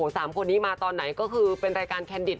สามคนนี้มาตอนไหนก็คือเป็นรายการแคนดิต